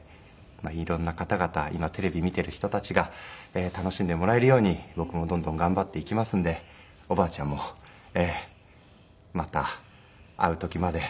今テレビ見ている人たちが楽しんでもらえるように僕もどんどん頑張っていきますんでおばあちゃんもまた会う時までちょっと元気に。